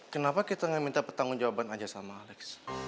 kenapa kita gak minta petanggung jawaban aja sama alex